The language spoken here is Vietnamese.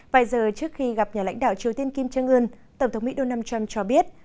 vài giờ trước khi gặp nhà lãnh đạo triều tiên kim jong un tổng thống mỹ donald trump cho biết